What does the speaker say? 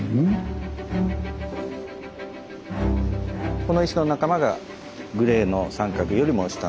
この石の仲間がグレーの三角よりも下の。